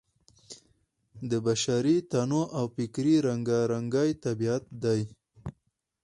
د بشري تنوع او فکري رنګارنګۍ طبیعت دی.